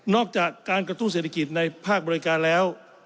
อกจากการกระตุ้นเศรษฐกิจในภาคบริการแล้ว